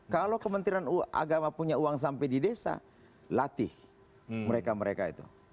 kalau kementerian agama punya uang sampai di desa latih mereka mereka itu